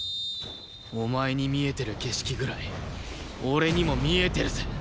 お前に見えてる景色ぐらい俺にも見えてるぜ。